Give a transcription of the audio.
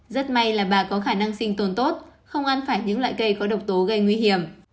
rất may là bà có khả năng sinh tồn tốt không ăn phải những loại cây có độc tố gây nguy hiểm